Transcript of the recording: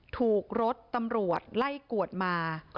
ถูกรถตำรวจไล่กวดมา